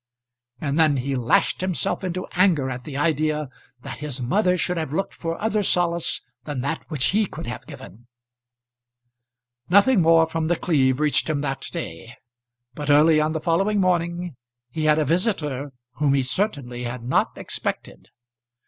And then he lashed himself into anger at the idea that his mother should have looked for other solace than that which he could have given. Nothing more from The Cleeve reached him that day; but early on the following morning he had a visitor whom he certainly had not expected.